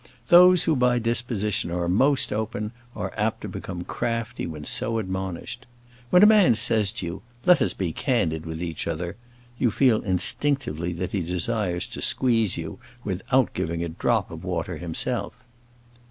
Those who by disposition are most open, are apt to become crafty when so admonished. When a man says to you, "Let us be candid with each other," you feel instinctively that he desires to squeeze you without giving a drop of water himself.